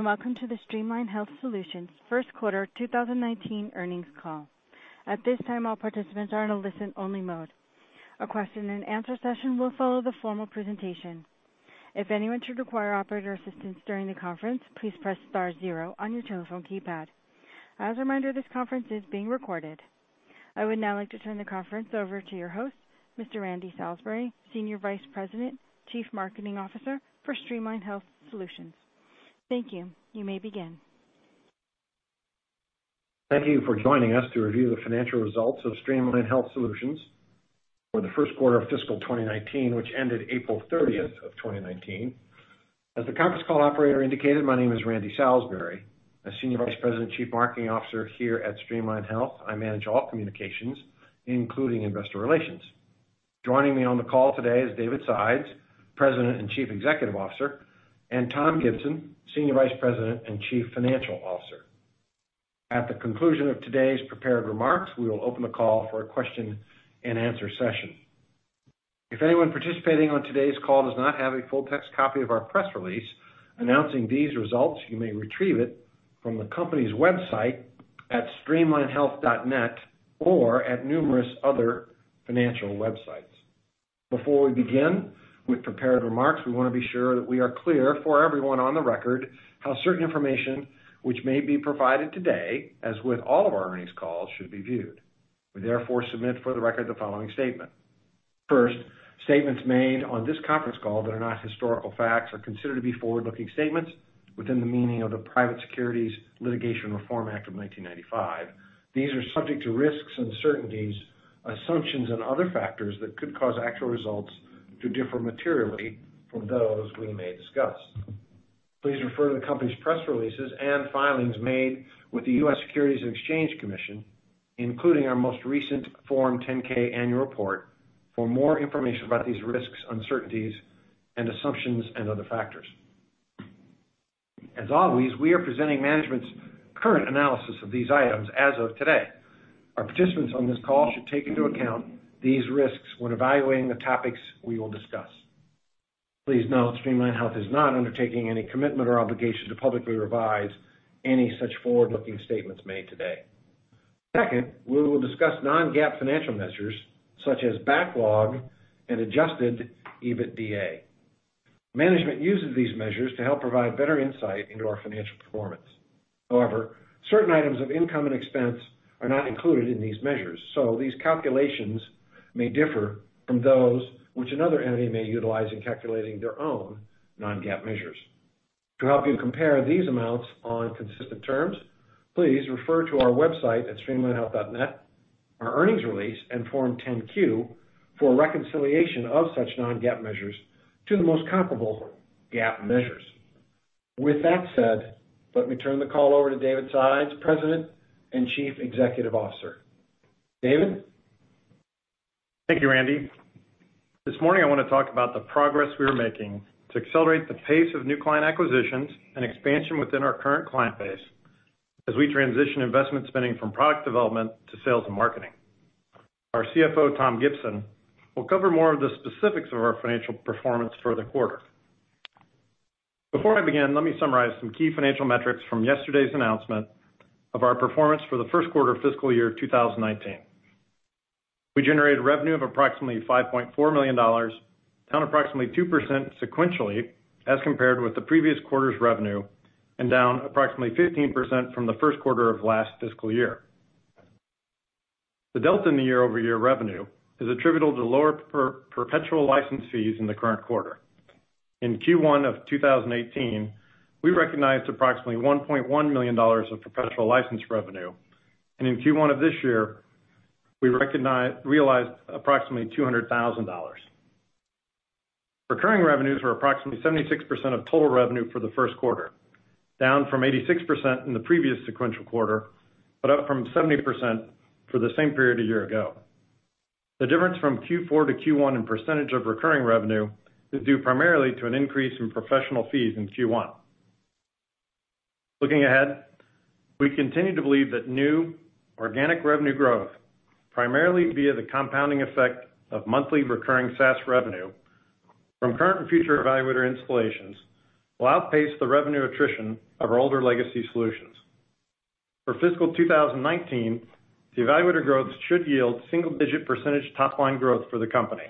Welcome to the Streamline Health Solutions First Quarter 2019 Earnings Call. At this time, all participants are in a listen-only mode. A question and answer session will follow the formal presentation. If anyone should require operator assistance during the conference, please press star zero on your telephone keypad. As a reminder, this conference is being recorded. I would now like to turn the conference over to your host, Mr. Randy Salisbury, Senior Vice President, Chief Marketing Officer for Streamline Health Solutions. Thank you. You may begin. Thank you for joining us to review the financial results of Streamline Health Solutions for the first quarter of fiscal 2019, which ended April 30th of 2019. As the conference call operator indicated, my name is Randy Salisbury. As Senior Vice President, Chief Marketing Officer here at Streamline Health, I manage all communications, including investor relations. Joining me on the call today is David Sides, President and Chief Executive Officer, and Tom Gibson, Senior Vice President and Chief Financial Officer. At the conclusion of today's prepared remarks, we will open the call for a question and answer session. If anyone participating on today's call does not have a full text copy of our press release announcing these results, you may retrieve it from the company's website at streamlinehealth.net or at numerous other financial websites. Before we begin with prepared remarks, we want to be sure that we are clear for everyone on the record how certain information which may be provided today, as with all of our earnings calls, should be viewed. We therefore submit for the record the following statement. First, statements made on this conference call that are not historical facts are considered to be forward-looking statements within the meaning of the Private Securities Litigation Reform Act of 1995. These are subject to risks, uncertainties, assumptions, and other factors that could cause actual results to differ materially from those we may discuss. Please refer to the company's press releases and filings made with the U.S. Securities and Exchange Commission, including our most recent Form 10-K annual report, for more information about these risks, uncertainties, and assumptions and other factors. As always, we are presenting management's current analysis of these items as of today. Our participants on this call should take into account these risks when evaluating the topics we will discuss. Please note, Streamline Health is not undertaking any commitment or obligation to publicly revise any such forward-looking statements made today. Second, we will discuss non-GAAP financial measures such as backlog and adjusted EBITDA. Management uses these measures to help provide better insight into our financial performance. However, certain items of income and expense are not included in these measures. These calculations may differ from those which another entity may utilize in calculating their own non-GAAP measures. To help you compare these amounts on consistent terms, please refer to our website at streamlinehealth.net, our earnings release, and Form 10-Q for a reconciliation of such non-GAAP measures to the most comparable GAAP measures. With that said, let me turn the call over to David Sides, President and Chief Executive Officer. David? Thank you, Randy. This morning, I want to talk about the progress we are making to accelerate the pace of new client acquisitions and expansion within our current client base as we transition investment spending from product development to sales and marketing. Our CFO, Tom Gibson, will cover more of the specifics of our financial performance for the quarter. Before I begin, let me summarize some key financial metrics from yesterday's announcement of our performance for the first quarter of FY 2019. We generated revenue of approximately $5.4 million, down approximately 2% sequentially as compared with the previous quarter's revenue, and down approximately 15% from the first quarter of last fiscal year. The delta in the year-over-year revenue is attributable to lower perpetual license fees in the current quarter. In Q1 of 2018, we recognized approximately $1.1 million of perpetual license revenue, and in Q1 of this year, we realized approximately $200,000. Recurring revenues were approximately 76% of total revenue for the first quarter, down from 86% in the previous sequential quarter, but up from 70% for the same period a year ago. The difference from Q4 to Q1 in percentage of recurring revenue is due primarily to an increase in professional fees in Q1. Looking ahead, we continue to believe that new organic revenue growth, primarily via the compounding effect of monthly recurring SaaS revenue from current and future eValuator installations, will outpace the revenue attrition of our older legacy solutions. For fiscal 2019, the eValuator growth should yield single-digit percentage top-line growth for the company.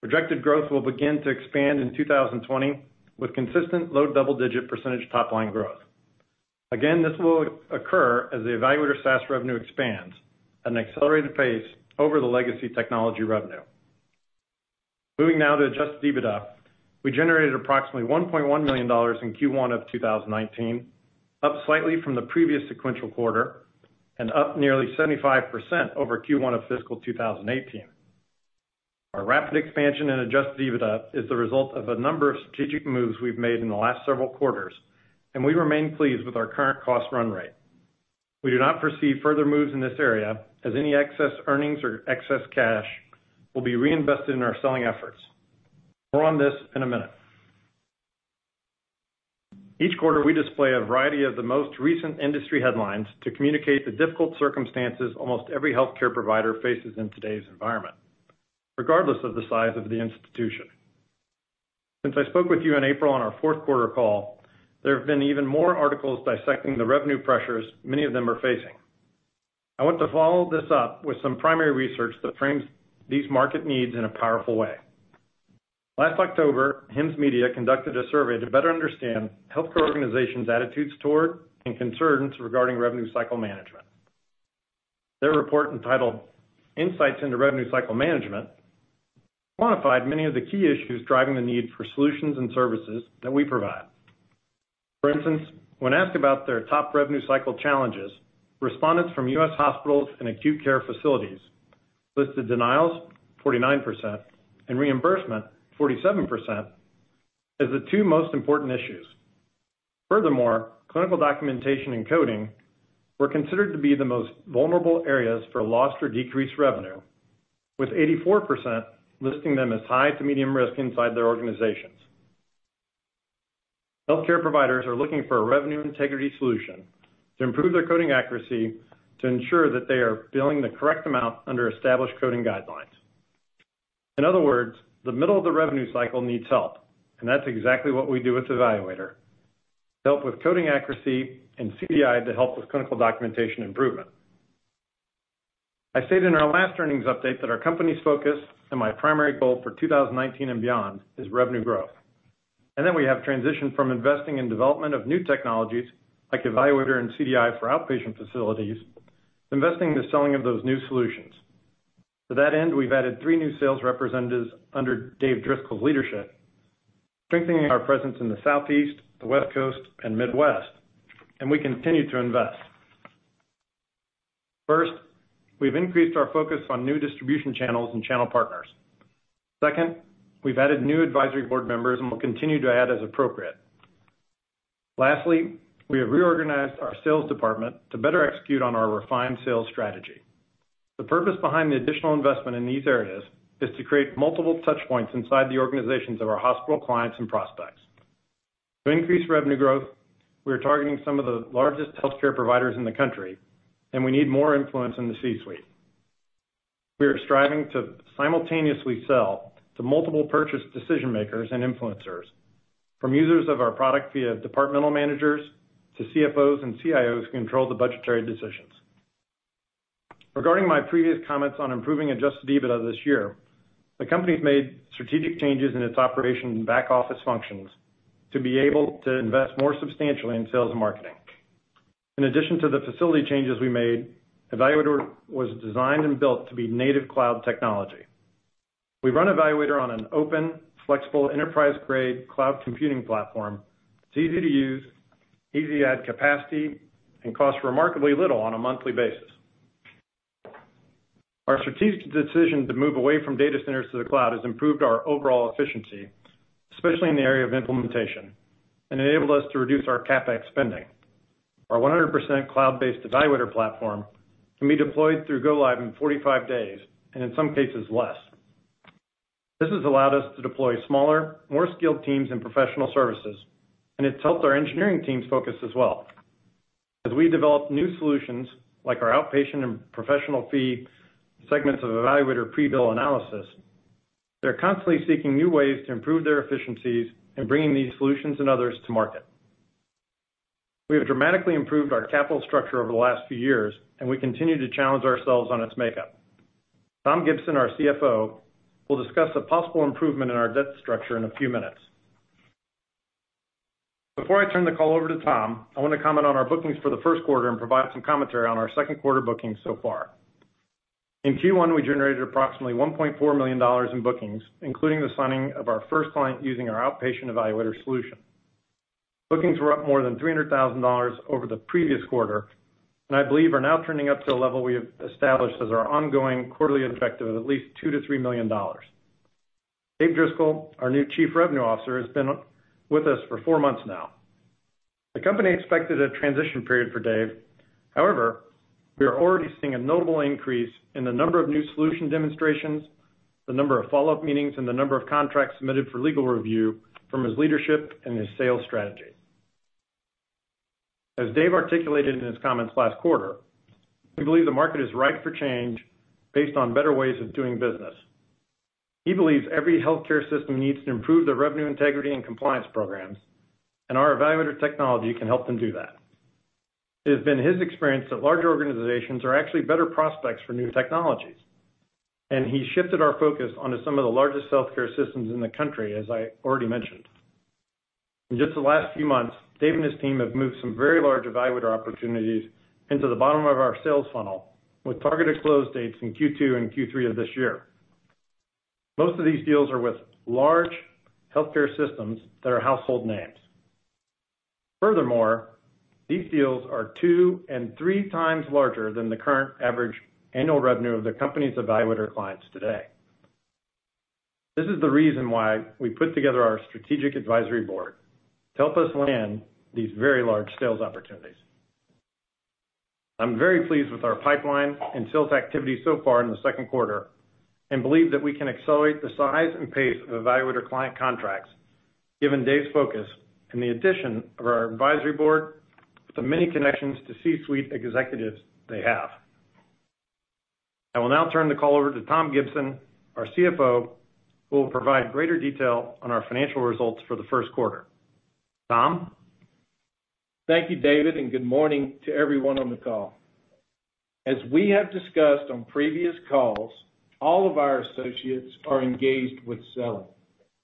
Projected growth will begin to expand in 2020 with consistent low double-digit percentage top-line growth. Again, this will occur as the eValuator SaaS revenue expands at an accelerated pace over the legacy technology revenue. Moving now to adjusted EBITDA. We generated approximately $1.1 million in Q1 of 2019, up slightly from the previous sequential quarter and up nearly 75% over Q1 of fiscal 2018. Our rapid expansion in adjusted EBITDA is the result of a number of strategic moves we've made in the last several quarters, and we remain pleased with our current cost run rate. We do not foresee further moves in this area, as any excess earnings or excess cash will be reinvested in our selling efforts. More on this in a minute. Each quarter, we display a variety of the most recent industry headlines to communicate the difficult circumstances almost every healthcare provider faces in today's environment, regardless of the size of the institution. Since I spoke with you in April on our fourth quarter call, there have been even more articles dissecting the revenue pressures many of them are facing. I want to follow this up with some primary research that frames these market needs in a powerful way. Last October, HIMSS Media conducted a survey to better understand healthcare organizations' attitudes toward, and concerns regarding revenue cycle management. Their report, entitled Insights into Revenue Cycle Management, quantified many of the key issues driving the need for solutions and services that we provide. For instance, when asked about their top revenue cycle challenges, respondents from U.S. hospitals and acute care facilities listed denials, 49%, and reimbursement, 47%, as the two most important issues. Furthermore, clinical documentation and coding were considered to be the most vulnerable areas for lost or decreased revenue, with 84% listing them as high to medium risk inside their organizations. Healthcare providers are looking for a revenue integrity solution to improve their coding accuracy to ensure that they are billing the correct amount under established coding guidelines. In other words, the middle of the revenue cycle needs help, and that's exactly what we do with eValuator, help with coding accuracy and CDI to help with clinical documentation improvement. I stated in our last earnings update that our company's focus and my primary goal for 2019 and beyond is revenue growth, and that we have transitioned from investing in development of new technologies like eValuator and CDI for outpatient facilities, to investing in the selling of those new solutions. To that end, we've added three new sales representatives under Dave Driscoll's leadership, strengthening our presence in the Southeast, the West Coast, and Midwest, and we continue to invest. First, we've increased our focus on new distribution channels and channel partners. Second, we've added new advisory board members, and will continue to add as appropriate. Lastly, we have reorganized our sales department to better execute on our refined sales strategy. The purpose behind the additional investment in these areas is to create multiple touchpoints inside the organizations of our hospital clients and prospects. To increase revenue growth, we are targeting some of the largest healthcare providers in the country, and we need more influence in the C-suite. We are striving to simultaneously sell to multiple purchase decision-makers and influencers, from users of our product via departmental managers to CFOs and CIOs who control the budgetary decisions. Regarding my previous comments on improving adjusted EBITDA this year, the company's made strategic changes in its operation and back office functions to be able to invest more substantially in sales and marketing. In addition to the facility changes we made, eValuator was designed and built to be native cloud technology. We run eValuator on an open, flexible, enterprise-grade cloud computing platform. It's easy to use, easy to add capacity, and costs remarkably little on a monthly basis. Our strategic decision to move away from data centers to the cloud has improved our overall efficiency, especially in the area of implementation, and enabled us to reduce our CapEx spending. Our 100% cloud-based eValuator platform can be deployed through go live in 45 days, and in some cases less. This has allowed us to deploy smaller, more skilled teams and professional services, and it's helped our engineering teams focus as well. As we develop new solutions like our outpatient and professional fee segments of eValuator pre-bill analysis, they're constantly seeking new ways to improve their efficiencies in bringing these solutions and others to market. We have dramatically improved our capital structure over the last few years, and we continue to challenge ourselves on its makeup. Tom Gibson, our CFO, will discuss a possible improvement in our debt structure in a few minutes. Before I turn the call over to Tom, I want to comment on our bookings for the first quarter and provide some commentary on our second quarter bookings so far. In Q1, we generated approximately $1.4 million in bookings, including the signing of our first client using our outpatient eValuator solution. Bookings were up more than $300,000 over the previous quarter, and I believe are now turning up to a level we have established as our ongoing quarterly objective of at least $2 million-$3 million. Dave Driscoll, our new Chief Revenue Officer, has been with us for four months now. The company expected a transition period for Dave. We are already seeing a notable increase in the number of new solution demonstrations, the number of follow-up meetings, and the number of contracts submitted for legal review from his leadership and his sales strategy. As Dave articulated in his comments last quarter, we believe the market is ripe for change based on better ways of doing business. He believes every healthcare system needs to improve their revenue integrity and compliance programs, and our eValuator technology can help them do that. It has been his experience that larger organizations are actually better prospects for new technologies, and he's shifted our focus onto some of the largest healthcare systems in the country, as I already mentioned. In just the last few months, Dave and his team have moved some very large eValuator opportunities into the bottom of our sales funnel with targeted close dates in Q2 and Q3 of this year. Most of these deals are with large healthcare systems that are household names. Furthermore, these deals are 2x and 3x larger than the current average annual revenue of the company's eValuator clients today. This is the reason why we put together our strategic advisory board to help us land these very large sales opportunities. I'm very pleased with our pipeline and sales activity so far in the second quarter and believe that we can accelerate the size and pace of eValuator client contracts, given Dave's focus and the addition of our advisory board with the many connections to C-suite executives they have. I will now turn the call over to Tom Gibson, our CFO, who will provide greater detail on our financial results for the first quarter. Tom? Thank you, David, and good morning to everyone on the call. We have discussed on previous calls, all of our associates are engaged with selling.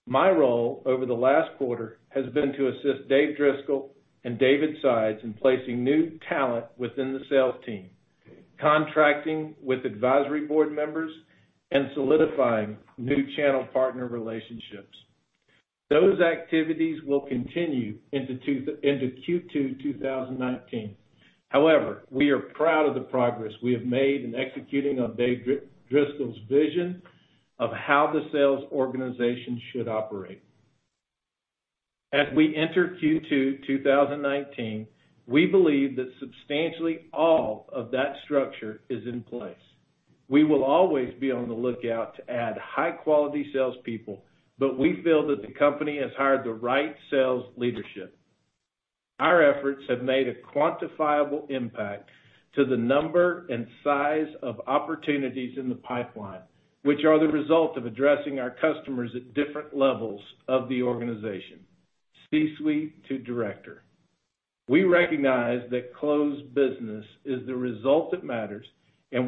My role over the last quarter has been to assist Dave Driscoll and David Sides in placing new talent within the sales team, contracting with advisory board members, and solidifying new channel partner relationships. Those activities will continue into Q2 2019. We are proud of the progress we have made in executing on Dave Driscoll's vision of how the sales organization should operate. We enter Q2 2019, we believe that substantially all of that structure is in place. We will always be on the lookout to add high-quality salespeople, we feel that the company has hired the right sales leadership. Our efforts have made a quantifiable impact to the number and size of opportunities in the pipeline, which are the result of addressing our customers at different levels of the organization, C-suite to director. We recognize that closed business is the result that matters,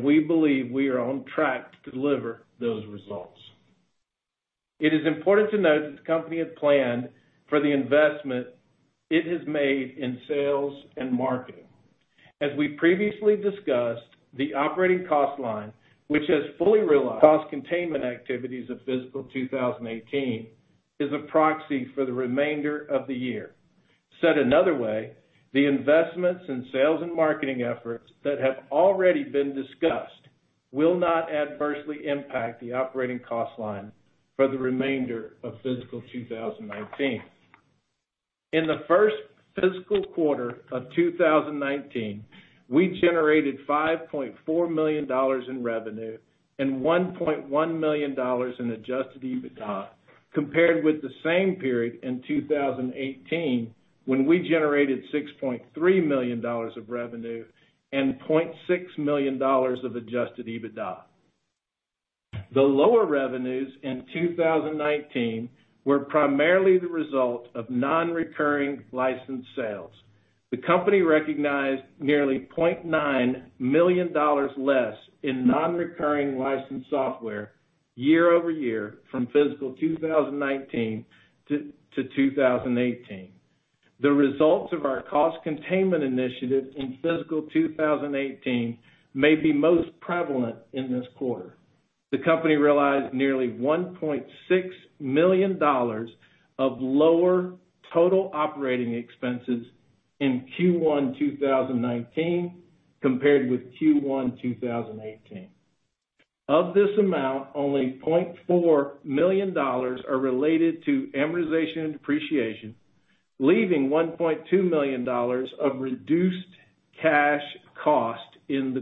we believe we are on track to deliver those results. It is important to note that the company had planned for the investment it has made in sales and marketing. We previously discussed, the operating cost line, which has fully realized cost containment activities of fiscal 2018, is a proxy for the remainder of the year. Said another way, the investments in sales and marketing efforts that have already been discussed will not adversely impact the operating cost line for the remainder of fiscal 2019. In the first fiscal quarter of 2019, we generated $5.4 million in revenue and $1.1 million in adjusted EBITDA, compared with the same period in 2018, when we generated $6.3 million of revenue and $0.6 million of adjusted EBITDA. The lower revenues in 2019 were primarily the result of non-recurring licensed sales. The company recognized nearly $0.9 million less in non-recurring licensed software year-over-year from fiscal 2019 to 2018. The results of our cost containment initiative in fiscal 2018 may be most prevalent in this quarter. The company realized nearly $1.6 million of lower total operating expenses in Q1 2019 compared with Q1 2018. Of this amount, only $0.4 million are related to amortization and depreciation, leaving $1.2 million of reduced cash cost in the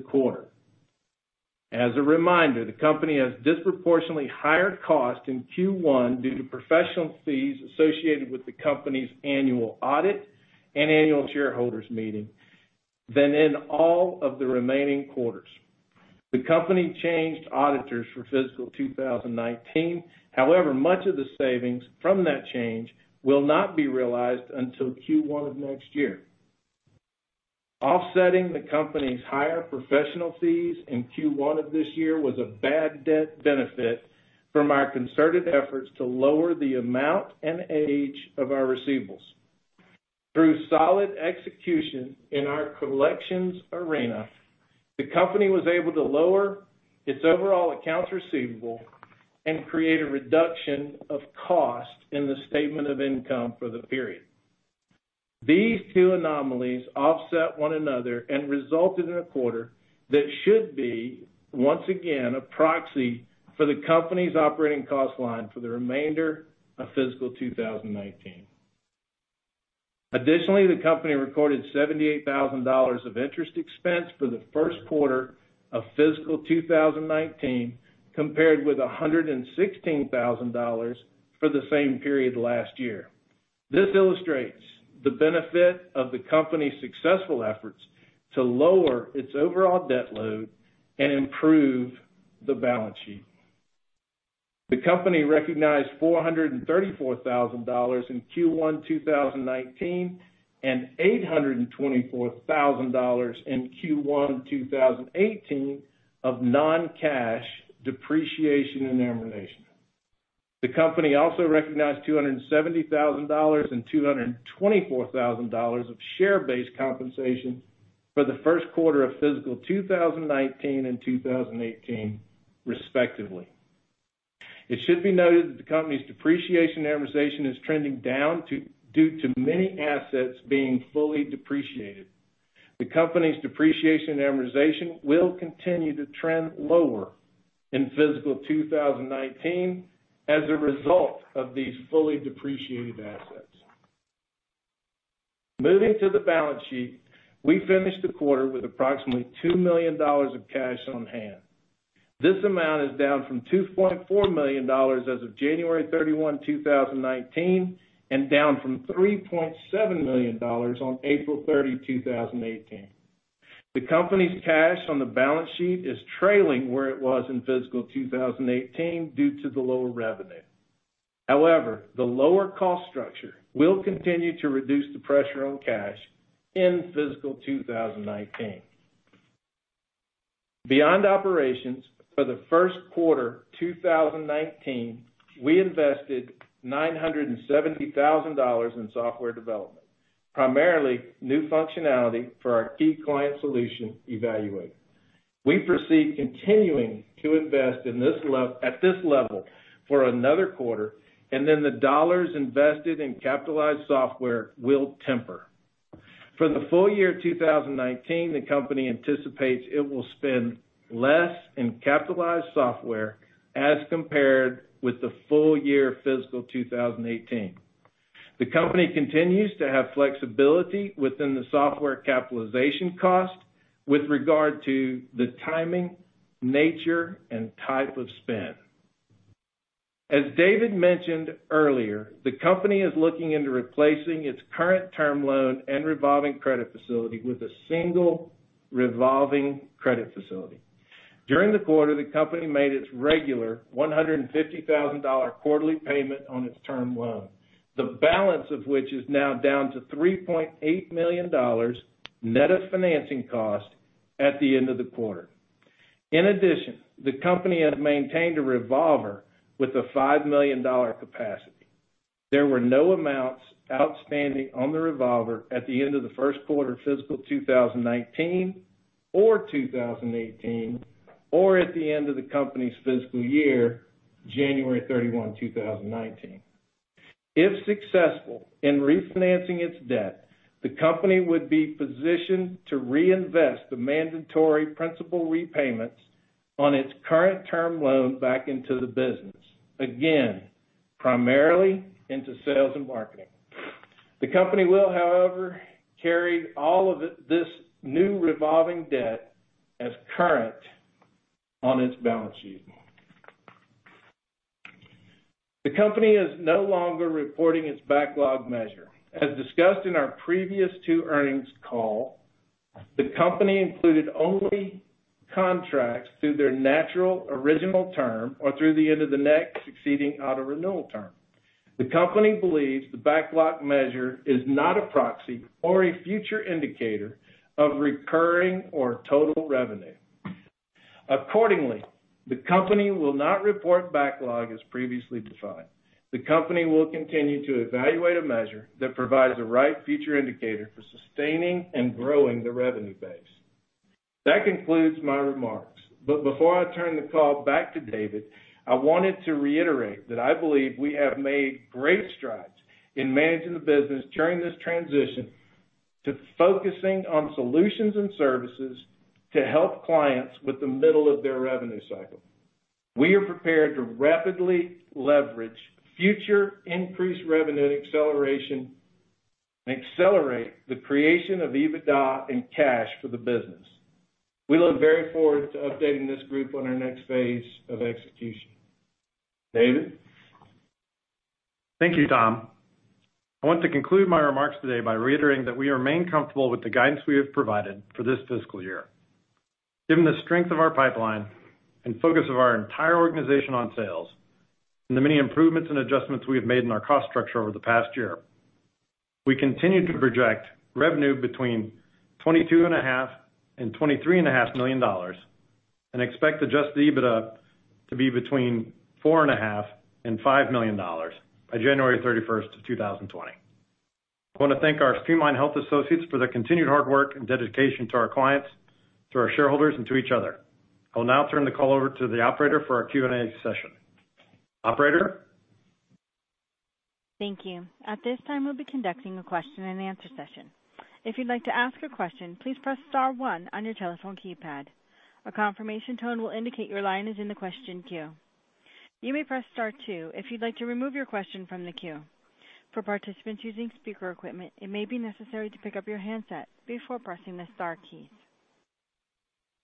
quarter. A reminder, the company has disproportionately higher cost in Q1 due to professional fees associated with the company's annual audit and annual shareholders meeting than in all of the remaining quarters. The company changed auditors for fiscal 2019. Much of the savings from that change will not be realized until Q1 of next year. Offsetting the company's higher professional fees in Q1 of this year was a bad debt benefit from our concerted efforts to lower the amount and age of our receivables. Through solid execution in our collections arena, the company was able to lower its overall accounts receivable and create a reduction of cost in the statement of income for the period. These two anomalies offset one another and resulted in a quarter that should be, once again, a proxy for the company's operating cost line for the remainder of fiscal 2019. Additionally, the company recorded $78,000 of interest expense for the first quarter of fiscal 2019, compared with $116,000 for the same period last year. This illustrates the benefit of the company's successful efforts to lower its overall debt load and improve the balance sheet. The company recognized $434,000 in Q1 2019 and $824,000 in Q1 2018 of non-cash depreciation and amortization. The company also recognized $270,000 and $224,000 of share-based compensation for the first quarter of fiscal 2019 and 2018, respectively. It should be noted that the company's depreciation and amortization is trending down due to many assets being fully depreciated. The company's depreciation and amortization will continue to trend lower in fiscal 2019 as a result of these fully depreciated assets. Moving to the balance sheet, we finished the quarter with approximately $2 million of cash on hand. This amount is down from $2.4 million as of January 31, 2019, and down from $3.7 million on April 30, 2018. The company's cash on the balance sheet is trailing where it was in fiscal 2018 due to the lower revenue. However, the lower cost structure will continue to reduce the pressure on cash in fiscal 2019. Beyond operations for the first quarter 2019, we invested $970,000 in software development, primarily new functionality for our key client solution eValuator. We proceed continuing to invest at this level for another quarter, and then the dollars invested in capitalized software will temper. For the full year 2019, the company anticipates it will spend less in capitalized software as compared with the full year fiscal 2018. The company continues to have flexibility within the software capitalization cost with regard to the timing, nature, and type of spend. As David mentioned earlier, the company is looking into replacing its current term loan and revolving credit facility with a single revolving credit facility. During the quarter, the company made its regular $150,000 quarterly payment on its term loan, the balance of which is now down to $3.8 million net of financing cost at the end of the quarter. In addition, the company has maintained a revolver with a $5 million capacity. There were no amounts outstanding on the revolver at the end of the first quarter of fiscal 2019 or 2018, or at the end of the company's fiscal year, January 31, 2019. If successful in refinancing its debt, the company would be positioned to reinvest the mandatory principal repayments on its current term loan back into the business, again, primarily into sales and marketing. The company will, however, carry all of this new revolving debt as current on its balance sheet. The company is no longer reporting its backlog measure. As discussed in our previous two earnings call, the company included only contracts through their natural original term or through the end of the next succeeding auto renewal term. The company believes the backlog measure is not a proxy or a future indicator of recurring or total revenue. Accordingly, the company will not report backlog as previously defined. The company will continue to evaluate a measure that provides the right future indicator for sustaining and growing the revenue base. That concludes my remarks. Before I turn the call back to David, I wanted to reiterate that I believe we have made great strides in managing the business during this transition to focusing on solutions and services to help clients with the middle of their revenue cycle. We are prepared to rapidly leverage future increased revenue acceleration and accelerate the creation of EBITDA and cash for the business. We look very forward to updating this group on our next phase of execution. David? Thank you, Tom. I want to conclude my remarks today by reiterating that we remain comfortable with the guidance we have provided for this fiscal year. Given the strength of our pipeline and focus of our entire organization on sales, and the many improvements and adjustments we have made in our cost structure over the past year, we continue to project revenue between $22.5 million and $23.5 million, and expect adjusted EBITDA to be between $4.5 million and $5 million by January 31st of 2020. I want to thank our Streamline Health associates for their continued hard work and dedication to our clients, to our shareholders, and to each other. I will now turn the call over to the operator for our Q&A session. Operator? Thank you. At this time, we'll be conducting a question and answer session. If you'd like to ask a question, please press star one on your telephone keypad. A confirmation tone will indicate your line is in the question queue. You may press star two if you'd like to remove your question from the queue. For participants using speaker equipment, it may be necessary to pick up your handset before pressing the star keys.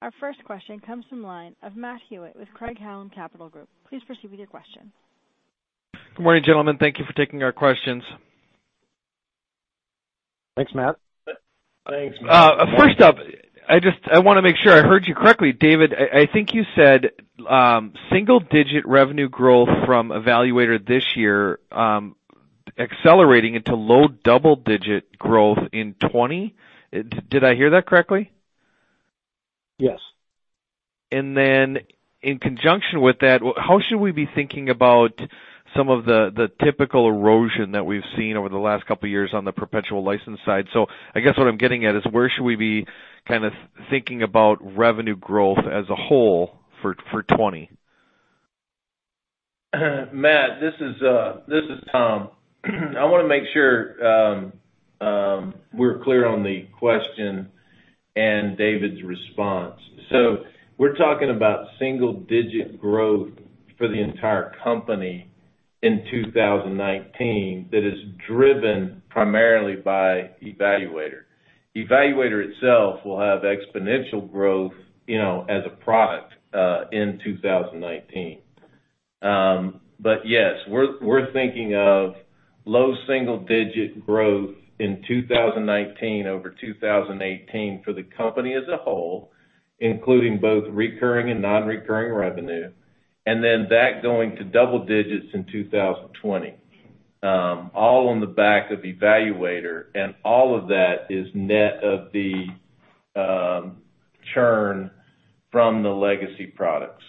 Our first question comes from line of Matt Hewitt with Craig-Hallum Capital Group. Please proceed with your question. Good morning, gentlemen. Thank you for taking our questions. Thanks, Matt. Thanks, Matt. I want to make sure I heard you correctly. David, I think you said single-digit revenue growth from eValuator this year accelerating into low double-digit growth in 2020. Did I hear that correctly? Yes. In conjunction with that, how should we be thinking about some of the typical erosion that we've seen over the last couple of years on the perpetual license side? I guess what I'm getting at is where should we be kind of thinking about revenue growth as a whole for 2020? Matt, this is Tom. I want to make sure we're clear on the question and David's response. We're talking about single-digit growth for the entire company in 2019, that is driven primarily by eValuator. eValuator itself will have exponential growth as a product in 2019. Yes, we're thinking of low single-digit growth in 2019 over 2018 for the company as a whole, including both recurring and non-recurring revenue, and then that going to double-digits in 2020, all on the back of eValuator, and all of that is net of the churn from the legacy products.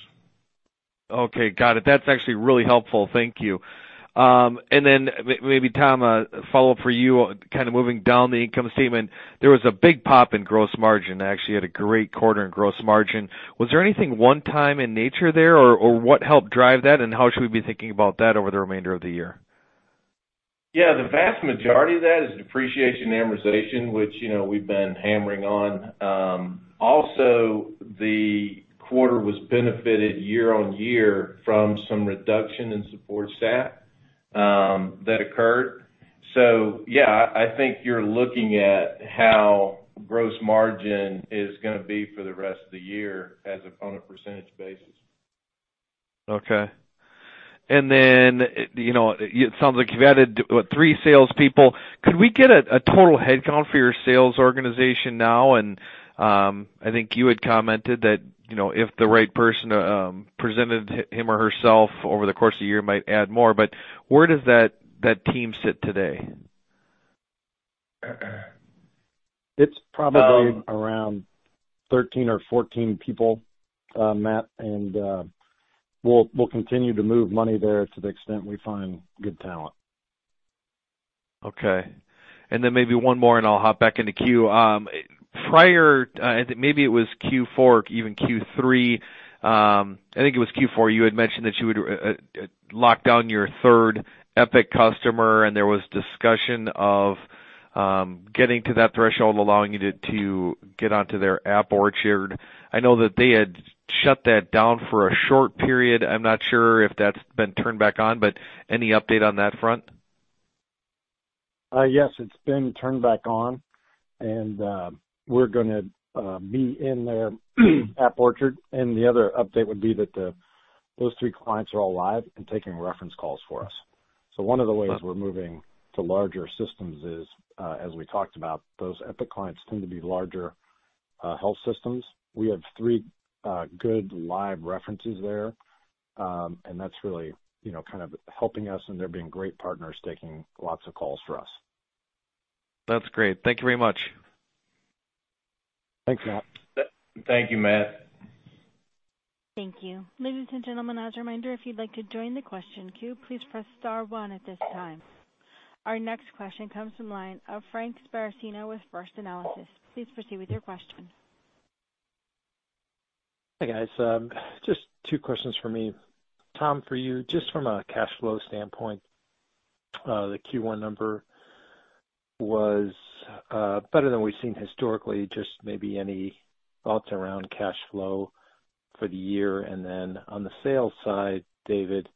Okay, got it. That's actually really helpful. Thank you. Maybe Tom, a follow-up for you, moving down the income statement, there was a big pop in gross margin. Actually had a great quarter in gross margin. Was there anything one-time in nature there? What helped drive that, and how should we be thinking about that over the remainder of the year? The vast majority of that is depreciation and amortization, which we've been hammering on. Also, the quarter was benefited year-on-year from some reduction in support staff that occurred. I think you're looking at how gross margin is going to be for the rest of the year as upon a percentage basis. Okay. It sounds like you've added three salespeople. Could we get a total headcount for your sales organization now? I think you had commented that if the right person presented him or herself over the course of the year, might add more, where does that team sit today? It's probably around 13 or 14 people, Matt, We'll continue to move money there to the extent we find good talent. Okay. Then maybe one more, I'll hop back in the queue. Prior, I think maybe it was Q4, even Q3, I think it was Q4, you had mentioned that you would lock down your third Epic customer, there was discussion of getting to that threshold, allowing you to get onto their App Orchard. I know that they had shut that down for a short period. I'm not sure if that's been turned back on, Any update on that front? Yes, it's been turned back on, We're going to be in their App Orchard. The other update would be that those three clients are all live and taking reference calls for us. One of the ways we're moving to larger systems is, as we talked about, those Epic clients tend to be larger health systems. We have three good live references there. That's really helping us, they're being great partners, taking lots of calls for us. That's great. Thank you very much. Thanks, Matt. Thank you, Matt. Thank you. Ladies and gentlemen, as a reminder, if you'd like to join the question queue, please press star one at this time. Our next question comes from line of Frank Sparacino with First Analysis. Please proceed with your question. Hi, guys. Just two questions for me. Tom, for you, just from a cash flow standpoint, the Q1 number was better than we've seen historically. Just maybe any thoughts around cash flow for the year? Then on the sales side, David,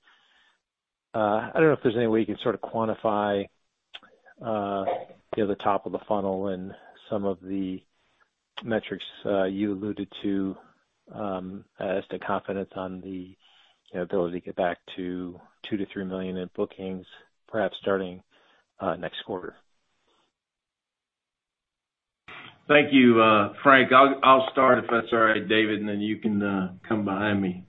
I don't know if there's any way you can sort of quantify the top of the funnel and some of the metrics you alluded to as to confidence on the ability to get back to $2 million-$3 million in bookings, perhaps starting next quarter. Thank you, Frank. I'll start, if that's all right, David, and then you can come behind me.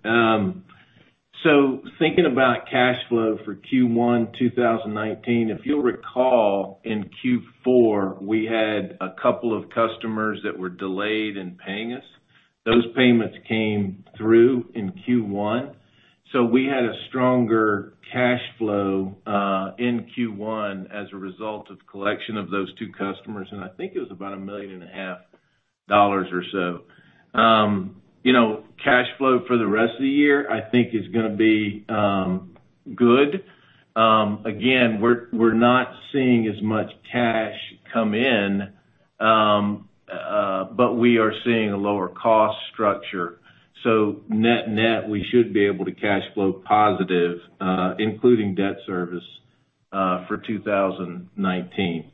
Thinking about cash flow for Q1 2019, if you'll recall, in Q4, we had a couple of customers that were delayed in paying us. Those payments came through in Q1. We had a stronger cash flow in Q1 as a result of collection of those two customers, and I think it was about $1.5 million or so. Cash flow for the rest of the year, I think, is going to be good. Again, we're not seeing as much cash come in, but we are seeing a lower cost structure. Net-net, we should be able to cash flow positive, including debt service for 2019.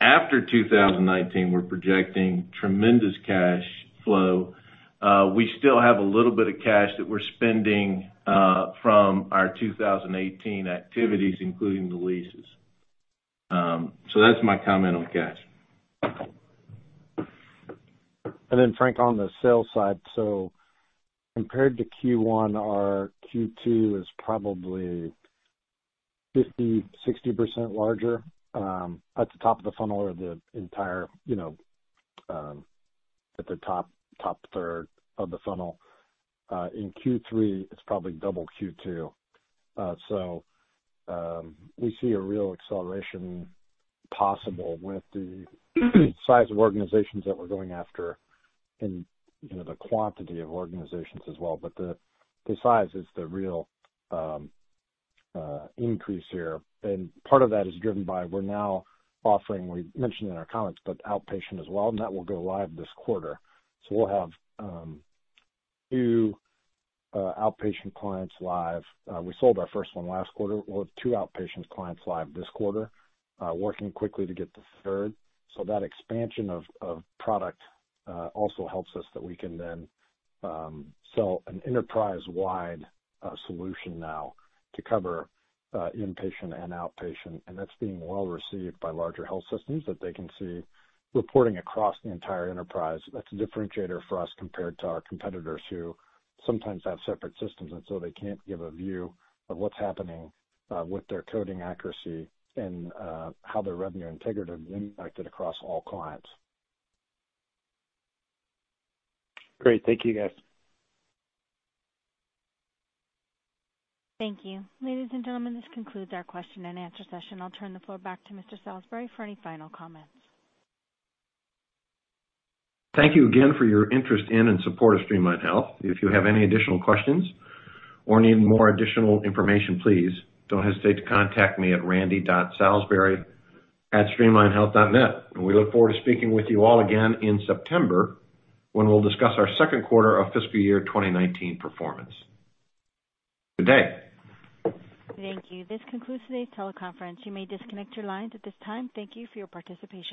After 2019, we're projecting tremendous cash flow. We still have a little bit of cash that we're spending from our 2018 activities, including the leases. That's my comment on cash. Frank, on the sales side, compared to Q1, our Q2 is probably 50%-60% larger at the top of the funnel or the entire top third of the funnel. In Q3, it's probably double Q2. We see a real acceleration possible with the size of organizations that we're going after and the quantity of organizations as well. But the size is the real increase here, and part of that is driven by, we're now offering, we mentioned in our comments, but outpatient as well, and that will go live this quarter. We'll have two outpatient clients live. We sold our first one last quarter. We'll have two outpatient clients live this quarter, working quickly to get the third. That expansion of product also helps us that we can then sell an enterprise-wide solution now to cover inpatient and outpatient, and that's being well received by larger health systems that they can see reporting across the entire enterprise. That's a differentiator for us compared to our competitors who sometimes have separate systems, and so they can't give a view of what's happening with their coding accuracy and how their revenue integrity is impacted across all clients. Great. Thank you, guys. Thank you. Ladies and gentlemen, this concludes our question and answer session. I'll turn the floor back to Mr. Salisbury for any final comments. Thank you again for your interest in and support of Streamline Health. If you have any additional questions or need more additional information, please don't hesitate to contact me at randy.salisbury@streamlinehealth.net. We look forward to speaking with you all again in September, when we'll discuss our second quarter of fiscal year 2019 performance. Good day. Thank you. This concludes today's teleconference. You may disconnect your lines at this time. Thank you for your participation.